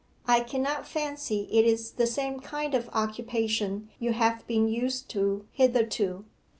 I cannot fancy it is the same kind of occupation you have been used to hitherto.